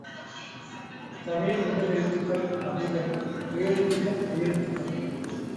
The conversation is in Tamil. தமிழின் முதல் எழுத்துகள் வகைகள்: உயிர் எழுத்துகள் மெய் எழுத்துகள்